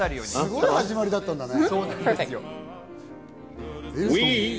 すごい始まりだったんだね。